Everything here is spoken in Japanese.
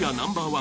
１